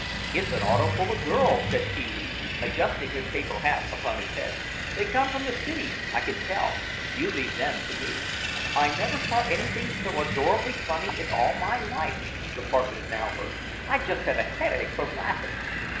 "It's an auto full of girls," said Pee wee, adjusting his paper hat upon his head; "they come from the city, I can tell; you leave them to me." "I never saw anything so adorably funny in all my life" the partners now heard. "I just have a headache from laughing."